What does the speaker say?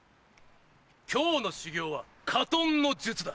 今日の修行は火の術だ。